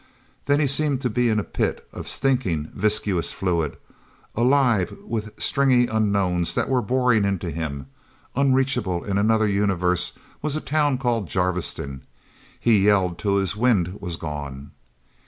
Then he seemed to be in a pit of stinking, viscous fluid, alive with stringy unknowns that were boring into him... Unreachable in another universe was a town called Jarviston. He yelled till his wind was gone.